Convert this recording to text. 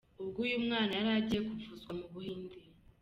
Ubwo uyu mwana yari agiye kuvuzwa mu Buhinde.